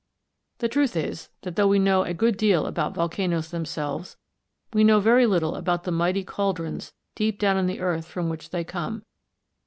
The truth is, that though we know now a good deal about volcanoes themselves, we know very little about the mighty cauldrons deep down in the earth from which they come.